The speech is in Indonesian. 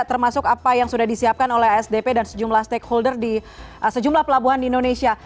termasuk apa yang sudah disiapkan oleh asdp dan sejumlah stakeholder di sejumlah pelabuhan di indonesia